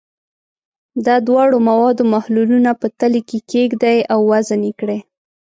د دواړو موادو محلولونه په تلې کې کیږدئ او وزن یې کړئ.